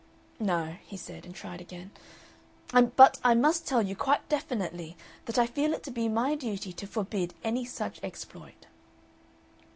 "No," he said, and tried again: "but I must tell you quite definitely that I feel it to be my duty to forbid any such exploit."